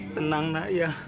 tenang nak ya